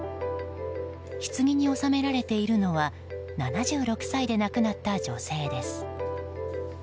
ひつぎに納められているのは７６歳で亡くなった女性です。